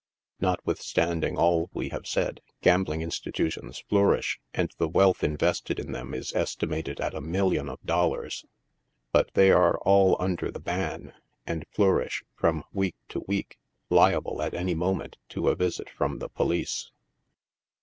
Notwithstanding all we have said, gambling institutions flourish, and the wealth invested in them is estimated at a million of dollars 5 but they are all under the ban, and flourish, from week to week, liable, at any moment, to a visit from the police.